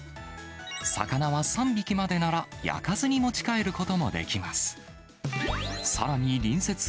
魚は３匹までなら、焼かずに持ち帰ることもできます。